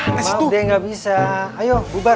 tidak ada yang bisa ayo bubar